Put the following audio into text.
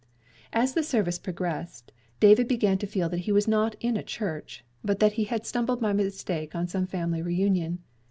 As the service progressed, David began to feel that he was not in a church, but that he had stumbled by mistake on some family reunion.